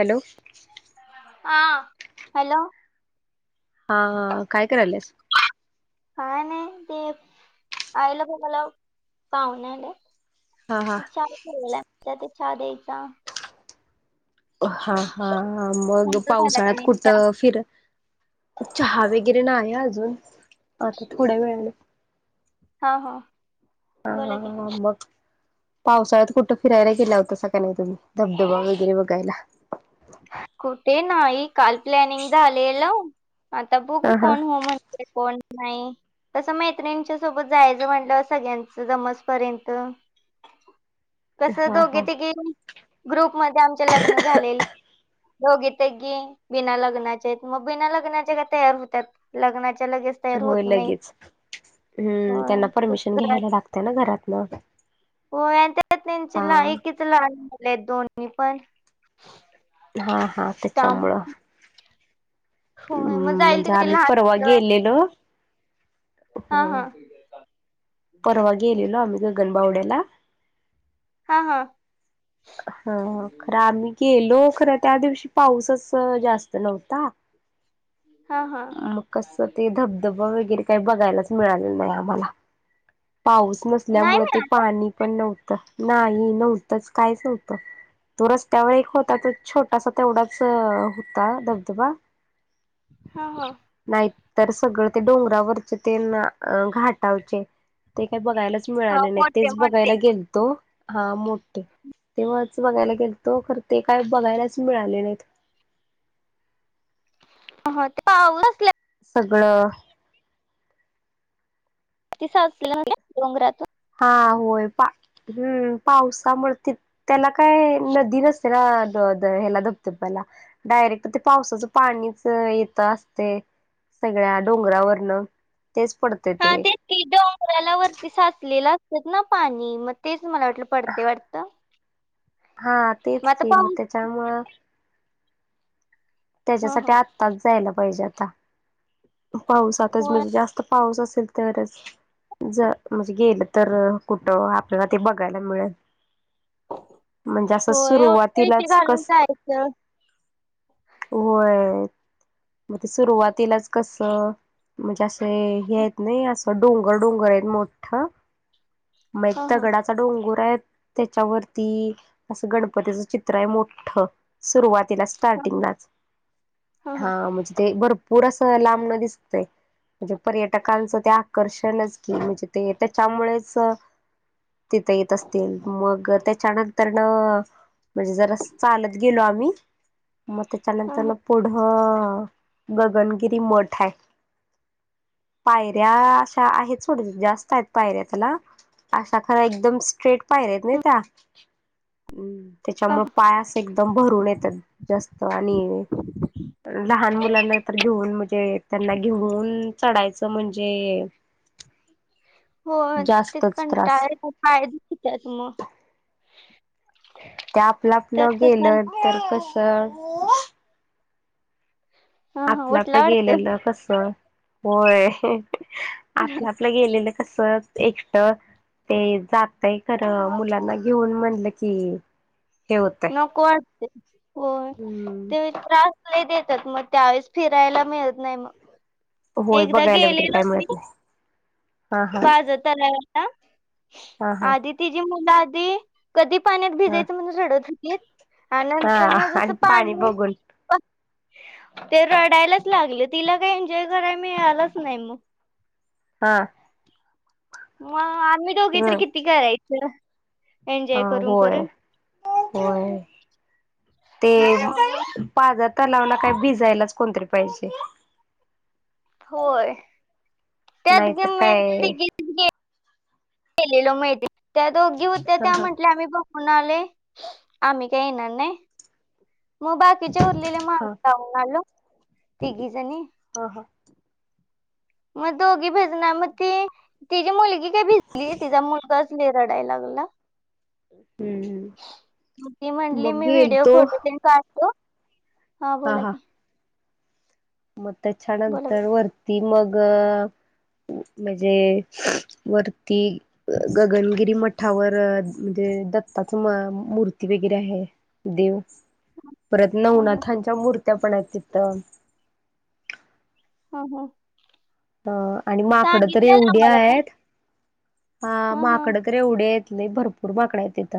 Hello! हा hello! हा हा काय करायलस? काय नाही ते आई ला बोलाव पाहुणे आले ते, हा हा चहा ला ठेवले ते आता चहा द्यायचा. हा हा मग तुमचा झाला की पावसाळ्यात नाही चहा कुठं फिर, चहा वगैरे नाहीअजून, आता थोडा वेळाने. हाव का. हा हा मग. पावसाळ्यात कुठे फिरायला गेला होतास का नाही तुम्ही धबधबा वगैरे बघायला. कुठे नाही काल प्लॅनिंग झाला आत्ता बघू हा हा कोण हो म्हणतंय. कोण नाही. तसं मैत्रिणींच्या सोबत जायचं म्हटलं सगळ्यांचं जमजपर्यंत. [inaudible] कसं हा दोघे हा तिघे ग्रुप मध्ये आमच्या लग्न झाले. दोघी तेगी बिना लग्नाचे मग बिना लग्नाचे का तयार होतात लग्नाच्या लगेच. तयार होय होत नाहीत लगेच हम्म त्यांना परमिशन होय घ्यायला लागतय ना घरातन. होय आणि त्यांच्या लायकीचे लहान मुले आहेत दोन्ही पण. हा हा त्यामुळे त्याच्यामुळ. होय मग हम्म जाईल तिकडे ते आम्ही लहान परवा मुलं गेलेलो. हा हा होय हा. परवा गेलेलो आम्ही गण बावड्याला. हा हा. हा हा. खरं आम्ही गेलो खरं त्या दिवशी पाऊस असं जास्त नव्हता. हा हा. मग कसं ते धबधबा वगैरे काही बघायलाच मिळालं नाही आम्हाला पाऊस. नाही नसल्यामुळे ते मिळालं पाणी पण नव्हतं नाही नव्हतच कायच नव्हतं. तो रस्त्यावर एक होता तो छोटासा तेवढाच होता धबधबा. हा हा. नाही तर सगळं ते डोंगरावरचे ते घाटावचे. ते काही बघायलाच हा मिळाले नाही मोठे तेच मोठे बघायला गेलतो हा मोठे. तेव्हाच बघायला गेलतो खर ते काय बघायलाच मिळाले नाहीत. हो ते पाऊस असं. सगळं. ति असं डोंगरातून. [unintelligible] हा होय पा हम्म पावसामुळे त्याला काय नदी नसते. त्याला धबधबाला. डायरेक्ट पावसाच्या पाणी येत असते. सगळ्या डोंगरावरन तेच पडतं ते हा तेच की डोंगराला वरती साठलेला असतं ना पाणी म- तेच मला वाटलं पडतय वाटतं. हा मग तेच आता ते पाऊस म-त्याच्यामुळं. हा हा त्याच्यासाठी आत्ताच जायला पाहिजे आता. पाऊसातच होय म्हणजे जास्त पाऊस असेल तरच. ज म्हणजे गेलं तर कुठं आपल्याला ते बघायला मिळेल. म्हणजे असं होय एवढे पैसे सुरुवातीलाच घालून कस जायचं होय मग ते सुरुवातीलाच. कस म्हणजे असे हे आहेत नाही असं डोंगर डोंगर आहेत मोठं मग हा हा दगडाचा डोंगुर आहे. त्याच्यावरती असं गणपतीच चित्र आहे मोठं सुरुवातीला- हा स्टार्टिंगलाच हा म्हणजे ते भरपूर असं लांबण दिसतय. म्हणजे पर्यटकांचं ते आकर्षणच की म्हणजे ते त्याच्यामुळेच. तिथे येत असतील मग त्याच्यानंतर न.. म्हणजे जरासं चालत गेलो आम्ही मग ते-.... हा त्यानंतर हा मग पुढं गगनगिरी मठ आहे पायऱ्या अशा आहेत सोडून जास्त आहेत पायऱ्या त्याला अशा खऱ्या एकदम स्ट्रेट पायऱ्या आहेत नी त्या हा त्याच्यामुळे- पायास- एकदम भरून येतात जास्त आणि लहान मुलांना तर एकदम. घेऊन म्हणजे त्यांना घेऊन चढायचं म्हणजे.. होय ती जास्तच त्रास कंटाळली पाय दुखत्यात मग- ते आपलं तर आपलं तसा गेलं तर कसं हा हा आपला आपला उठला वाटतं गेलेल कसा होय हं हं आपला. आपलं गेलेलं कसं एकटं. ऐ जातय खरं मुलांना घेऊन म्हणलं की, हे होतय नको वाटतय, होय हम्म ते त्रास.. लेट येत्यात मग त्यावेळेस फिरायला मिळत नाही मग.. होय एकदा बघायला वगैरे गेलेलो काय मिळत [unintelligible] नाही हा हा ताज तलाव हा आदिती ची मुलं आधी कधी पाण्यात भिजायचं म्हणून रडत होती आणि हा नंतर ना हा जस आणि पाणी बघून पच ते रडायलाच लागल तिला काही एन्जॉय करायला मिळालंच नाही मग हा. मगं आम्ही दोघी ह तर किती करायच. हा होय होय ते त्यामुळे पाजाला लावला काय भिजायलाच कोणतरी पाहिजे. होय त्यात [unintelligible] नाहीतर काय गे गेलेलो मैत्री नी कडे त्या दोघी होत्या हा त्या हा म्हटल्या आम्ही बघ होणाले आम्ही काय येणार नाय. मग बाकीचे उरलेल्या मामी हा लाऊून आलो तिघी जणी. हा हा मग दोघी भिजणार मग ती तिची मुलगी काय भिजलीच तिचा मुलगाच लय रडायला लागला. हम्म ती म्हटली मग मी गेल व्हिडिओ तो फोटो तरी काढते. हॅलो हा बोला की. मग बोला छानच घर बोला वरती मग ग... म्हणजे वरती गगनगिरी मठावर म्हणजे दत्ताच म मूर्ती वगैरे आहे. देव परत न हं, हं, नवनाथांच्या मूर्त्या पण आहेत तिथं. हा हा आणि माकड तर एवढी आम्हाला पण आहेत हा हं, हं, माकडतर. एवढी आहेत नी भरपूर माकड आहेत तीथ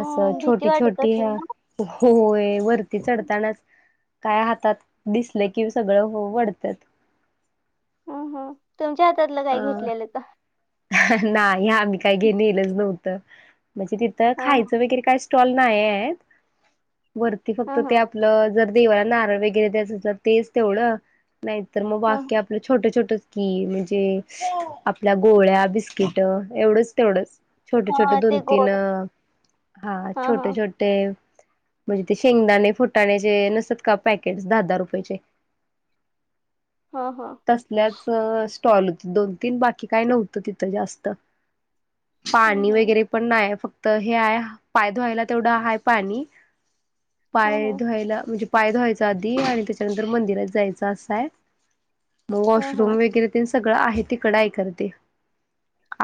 असं भीती छोटी वाटत छोटी ह्या असेल ना हं हं होय वरती चढतानाच काय हातात दिसल की सगळं वढत्यात ह ह तुमच्या हातातलं काय घेतलेलं का? हं हं नाही आम्ही काय घे नेलच नव्हतं म्हणजे तिथं हा खायचं वगैरे काय स्टॉल नाही येत वरती फक्त हा ते आपलं जर.. देवाला नारळ वगैरे द्यायचा तेच तेवढ नाहीतर मग हा बाकी आपल छोट छोटचं की म्हणजे आपल्या गोळ्या, बिस्किट एवढंच तेवढंच छोटे छोटे हा दोन ते तीन गोल हा छोटे छो टे म्हणजे ते शेंगदाणे, फुटाणे जे नसतेत का पॅकेटस दहा-दहा रुपयाचे हं हा हा. तसल्याच स्टॉल होते दोन-तीन बाकी काय नव्हतं तिथं जास्त. पाणी हम्म हम्म वगैरे पण नाय फक्त हे आहे पाय धुवायला तेवढं आहे पाणी हा हा पाय धुवायला म्हणजे पाय धुवायचा आदी आणि त्याच्यानंतर मंदिरात जायचं असाय. म हा वॉशरूम हा वगैरे तेन सगळं आहे तिकडं आहे खरं ते.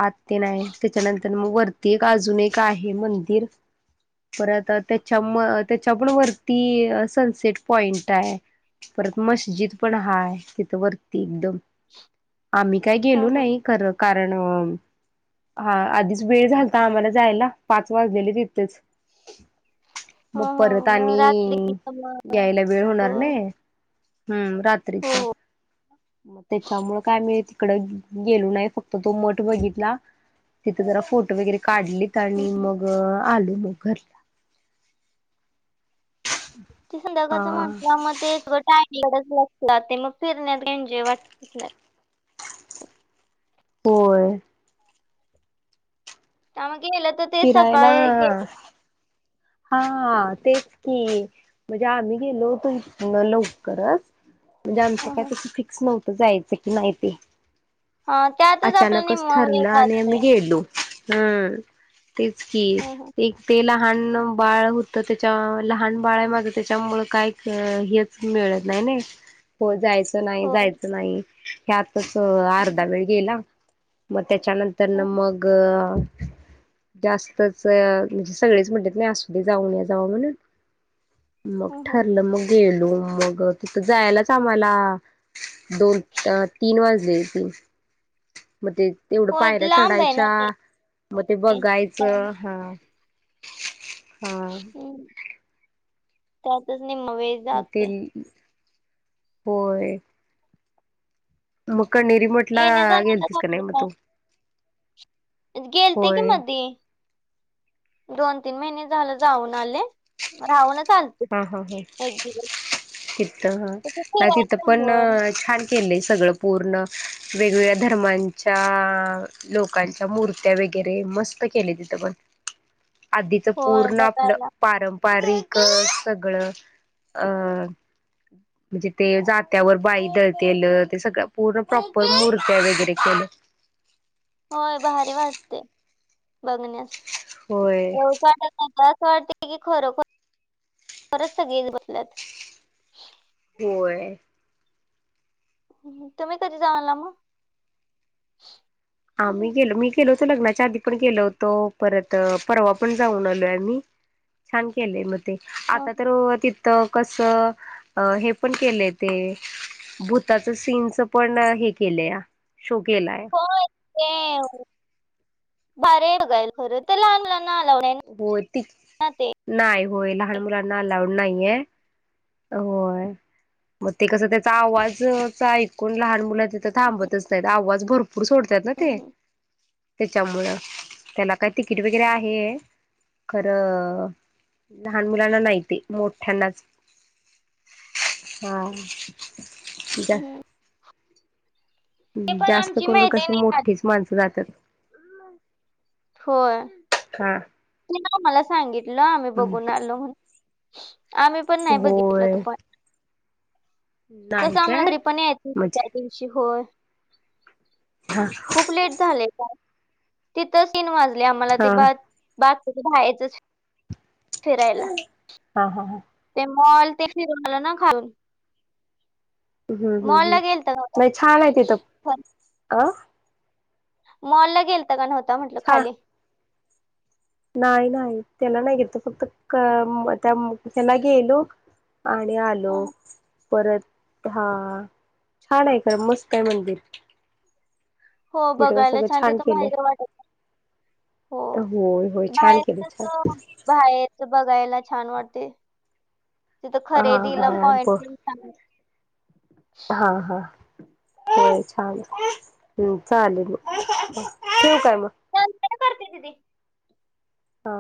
आत तेन आहे त्याच्यानंतर मग वरती एक अजून एक आहे मंदिर परत त्याच्या म त्याच्या पण वरती अ सनसेट पॉइंट आहे. परत मस्जिद पण हाय तिथं वरती एकदम आम्ही काय हा गेलो हा नाही खरं कारण वम हा आधीच वेळ झालता आम्हाला जायला पाच वाजलेले तिथेच. मग हा परत हा मग आणि रात्री मग होय यायला वेळ हो होणार नाय. हम्म रात्रीचा हो मग त्याच्यामुळं काय महीत तिकडं गेलो नाही फक्त तो मठ बघितला तिथं जरा फोटो वगैरे काढलीत हम्म. आणि मग आलो मग घरला. ते संध्याकाळचा हा म्हटला म ते सगळं टाइम लडत बसला ते मग फिरण्यात काय ऐन्जॉय वाटतच नाय. होय. त्यामुळं गेलं तर ते फिरायला सकाळी गेलं हा तेच की म्हणजे आम्ही गेलो होतो इथनं लवकरच म्हणजे आमचं हा काय हा तसं फिक्स नव्हतं जायचं की नाही ते. हा त्यातच आपला अचानकच निम्मा वेळ ठरलं आणि जातोय आम्ही गेलो हम्म. तेच की हा हा एक ते लहाणं बाळ होतं त्याच्या लहान बाळ आहे मागे त्याच्यामुळं काही हेच मिळत नाही नाय. [unintelligible] होय जायच नाही होय जायचं नाही ह्यातच अर्धा हम्म वेळ गेला. मग त्याच्यानंतर ना हम्म मग जास्तच म्हणजे सगळेच म्हणतेत नाही असो दे जाऊन या जावा म्हणं मग हम्म हम्म. ठरलं मंग गेलो मग तिथं जायलाच आम्हाला दोन अ तीन वाजले तीन म ते तेवढं होय पायऱ्या ते लांब आहे ना चढायच्या ते म ते बघायचं त्यामुळे हा. हा त्यातच निम्मा वेळ म जातोय तेन होय. मग कणेरी मठला येण्या जाण्यालाच गेलतीस का नाय आपलं मग तू? गेलते की होय मधी. दोन तीन महिने झालं जाऊन आले राहूनच आल हा हा हा हा हितं कुठे नाही तिथं फिरायला पण होय छान केलेय सगळं पूर्ण वेगवेगळ्या धर्मांच्या लोकांच्या मूर्त्या वगैरे मस्त केले तिथं पण. आदीचा होय पूर्ण आपलं बघायला पारंपारिक सगळं अ म्हणजे जात्यावर बाई दळतेलं ते सगळं पूर्ण प्रॉपर मुर्त्या वगैरे केलं. होय भारी वाटते बघण्यास होय वाटा अस वाटते. ती खरोखरच सगळे बसल्यात. होय. तुम्ही कधी जाऊन आला मग. आम्ही गेलो मी गेलो होतो लग्नाच्या आधी पण गेलो होतो परत परवा पण जाऊन आलोय मी. छान केलंय मग ते हं. आता तर तिथं कस. अ हे पण केलंय ते भूताचं सीनच पण हे केलया. शो केलाय. हो बार बघाईल खरं तर लहान लहान आला. होय ती नाही होय लहान मुलांना अलाउड नाहीये. होय मग ते कसं त्याचा आवाजच ऐकून लहान मुला थ थांबतच नाहीत आवाज भरपूर सोडतात ना ते. हम्म, त्याच्यामुळं त्याला काय तिकीट वगैरे आहे. खरं लहान मुलांना नाही ते मोठ्यांनाच. हा जा हम्म. ते पण जास्त आमची करून मैत्रीण कशी नाही काढत मोठीच माणसं जातात. होय हा नाही मला सांगितलं आम्ही बघून आलो म्हणून. आम्ही पण नाही बघितलं तू होय. पण नाही कसं आम्हाला काय घरी पण येत नाही त त्या म्हणजे दिवशी होय. हा. खूप लेट झालं तिथेच तीन वाजले आम्हाला. हा [unintelligible] फिरायला हा हा हा ते मॉल ते फिरून आलं ना खाऊन. हम्म हम्म मॉलला गेलता का नाही छान आहे तिथ. मॉल ला गेलता की नव्हता म्हटल छान खाली. नाही नाही त्याला नाही घेतो फक्त त्या ह्याला गेलो. आणि आलो अहं. परत हा छान आहे खरं मस्त आहे मंदिर. हो तिथ म बघायला सगळं छान तिथं केलंय. बाहेर वाटत हो होय होय छान केले छान. बाहेर बघायला छान वाटते तिथं हा खरेदीला हा पॉइंट ब पण चांगला. हा हा. हो छान हम्म चालेल मग ठेवू काय मग. नंतर काय करते दिदी. हा.